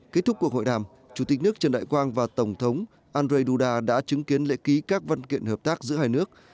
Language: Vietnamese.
kết thúc cuộc hội đàm chủ tịch nước trần đại quang và tổng thống andrzej duda đã chứng kiến lễ ký các văn kiện hợp tác giữa hai nước